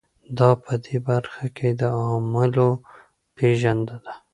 دا په دې برخه کې د عواملو پېژندنه ده.